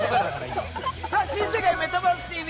さあ「新世界メタバースＴＶ！！」